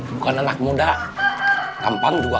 bukan anak muda